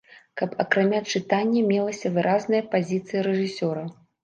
Каб акрамя чытання мелася выразная пазіцыя рэжысёра.